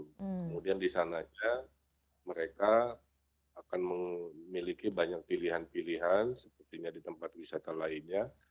kemudian di sananya mereka akan memiliki banyak pilihan pilihan sepertinya di tempat wisata lainnya